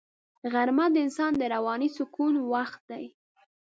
غرمه د انسان د رواني سکون وخت دی